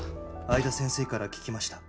相田先生から聞きました。